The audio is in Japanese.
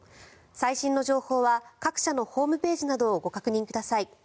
最新の情報は各社のホームページなどをご確認ください。